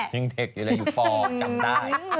ยังเด็กอยู่ป่าวจำได้